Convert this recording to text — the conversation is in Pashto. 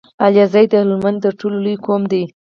عليزی د هلمند تر ټولو لوی قوم دی